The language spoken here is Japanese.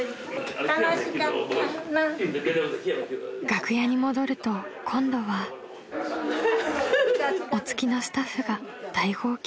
［楽屋に戻ると今度はお付きのスタッフが大号泣］